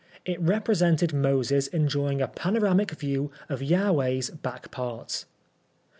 It represented Moses enjoying a panoramic view of Jahveh's "back parts."